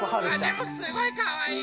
でもすごいかわいい！